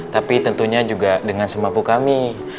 tapi tentunya juga dengan semampu kami